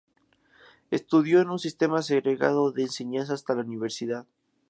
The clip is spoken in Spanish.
Estudió en un sistema segregado de enseñanza hasta la universidad.